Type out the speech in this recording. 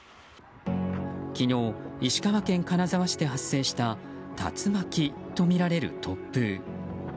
昨日、石川県金沢市で発生した竜巻とみられる突風。